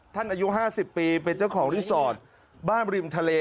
อายุ๕๐ปีเป็นเจ้าของรีสอร์ทบ้านริมทะเล